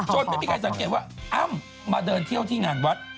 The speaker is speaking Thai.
ไม่มีใครสังเกตว่าอ้ำมาเดินเที่ยวที่งานวัด